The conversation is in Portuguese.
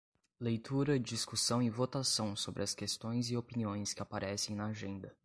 Leitura, discussão e votação sobre as questões e opiniões que aparecem na agenda.